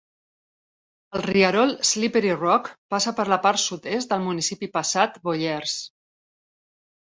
El Rierol Slippery Rock passa per la part sud-est del municipi passat Boyers.